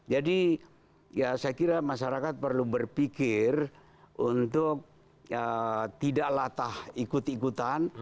jadi ya saya kira masyarakat perlu berpikir untuk tidak latah ikut ikutan